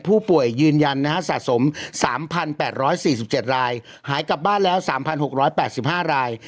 ยืนยันนะฮะสะสม๓๘๔๗รายหายกลับบ้านแล้ว๓๖๘๕ราย